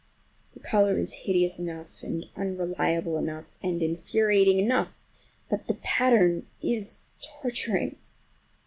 The color is hideous enough, and unreliable enough, and infuriating enough, but the pattern is torturing.